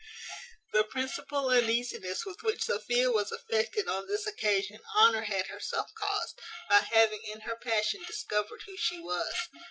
The principal uneasiness with which Sophia was affected on this occasion Honour had herself caused, by having in her passion discovered who she was.